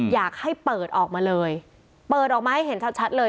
อยากให้เปิดออกมาเลยเปิดออกมาให้เห็นชัดเลย